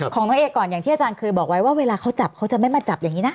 ของน้องเอก่อนอย่างที่อาจารย์เคยบอกไว้ว่าเวลาเขาจับเขาจะไม่มาจับอย่างนี้นะ